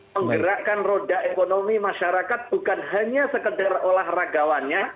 menggerakkan roda ekonomi masyarakat bukan hanya sekedar olahragawannya